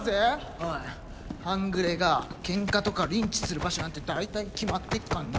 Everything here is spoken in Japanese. おい半グレがケンカとかリンチする場所なんてだいたい決まってっかんな。